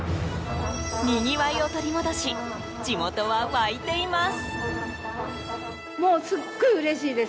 にぎわいを取り戻し地元は沸いています。